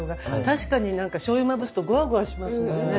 確かにしょうゆまぶすとゴワゴワしますもんね。